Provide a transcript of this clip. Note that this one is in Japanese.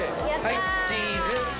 ・はいチーズ。